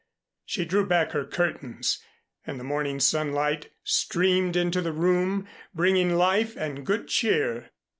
She drew back her curtains and the morning sunlight streamed into the room bringing life and good cheer.